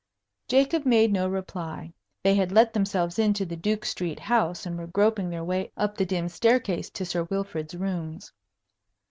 Jacob made no reply. They had let themselves into the Duke Street house and were groping their way up the dim staircase to Sir Wilfrid's rooms.